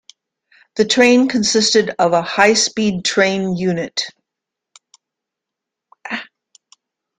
The train consisted of a High Speed Train unit.